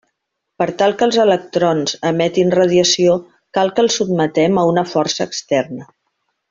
Per tal que els electrons emetin radiació cal que els sotmetem a una força externa.